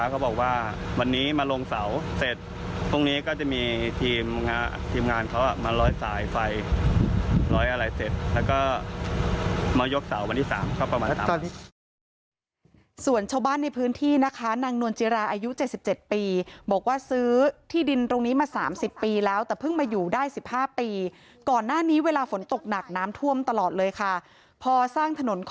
เขาบอกว่าวันนี้มาลงเสาเสร็จพรุ่งนี้ก็จะมีทีมงานทีมงานเขามาร้อยสายไฟร้อยอะไรเสร็จแล้วก็มายกเสาวันที่๓ก็ประมาณ๓ตอนนี้ส่วนชาวบ้านในพื้นที่นะคะนางนวลจิราอายุ๗๗ปีบอกว่าซื้อที่ดินตรงนี้มา๓๐ปีแล้วแต่เพิ่งมาอยู่ได้๑๕ปีก่อนหน้านี้เวลาฝนตกหนักน้ำท่วมตลอดเลยค่ะ